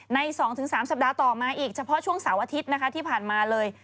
ใน๒๓สัปดาห์ต่อมาอีกเฉพาะช่วงเสาร์อาทิตย์นะคะที่ผ่านมาเลย